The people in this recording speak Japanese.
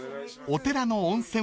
お寺に温泉